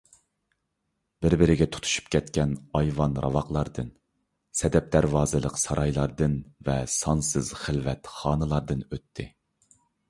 بىر - بىرىگە تۇتىشىپ كەتكەن ئايۋان، راۋاقلاردىن، سەدەب دەرۋازىلىق سارايلاردىن ۋە سانسىز خىلۋەت خانىلاردىن ئۆتتى.